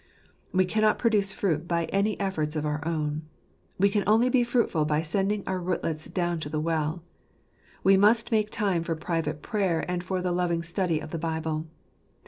We cannot produce fruit by any efforts of our own. We can only be fruitful by sending our rootlets down to the well. We must make time for private prayer and for the loving study of the Bible.